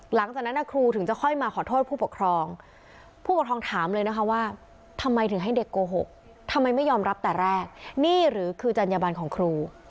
หลังจากนั้นครูถึงจะค่อยมาขอโทษผู้ปกครองผู้ปกครองถามเลยนะคะว่าทำไมถึงให้เด็กโกหกทำไมไม่ยอมรับแต่แรกนี่หรือคือจัญญบันของครู